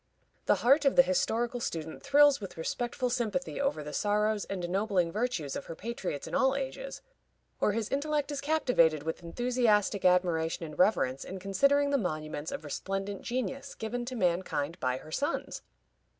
The heart of the historical student thrills with respectful sympathy over the sorrows and ennobling virtues of her patriots in all ages, or his intellect is captivated with enthusiastic admiration and reverence in considering the monuments of resplendent genius given to mankind by her sons.